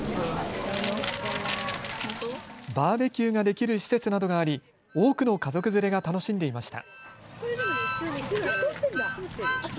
バーベキューができる施設などがあり多くの家族連れが楽しんでいました。